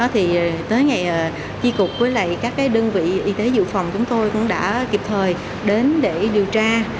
thì tới ngày chi cục với các đơn vị y tế dự phòng chúng tôi cũng đã kịp thời đến để điều tra